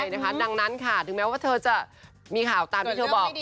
ดังนั้นค่ะถึงแม้ว่าเธอจะมีข่าวตามที่เธอบอก